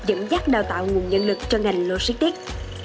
dẫn dắt đào tạo nguồn nhân lực cho ngành logistics